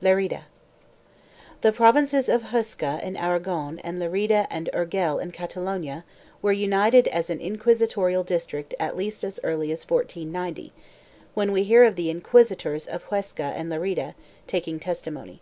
LE*RIDA. The provinces of Huesca in Aragon and Lerida and Urgel in Catalonia were united as an inquisitorial district at least as early as 1490, when we hear of "the inquisitors of Huesca and Lerida" taking testimony.